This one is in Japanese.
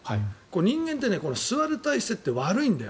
人間って座る体勢って悪いんだよ。